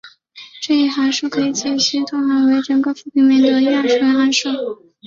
这一函数可以解析延拓为整个复平面上的亚纯函数。